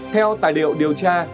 theo tài liệu điều tra